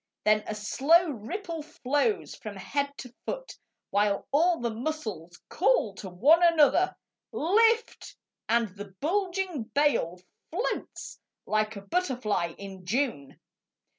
Then a slow ripple flows along the body, While all the muscles call to one another :" Lift !" and the bulging bale Floats like a butterfly in June.